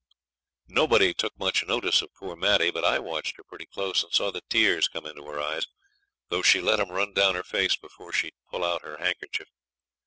Nobody took much notice of poor Maddie, but I watched her pretty close, and saw the tears come into her eyes, though she let 'em run down her face before she'd pull out her handkerchief.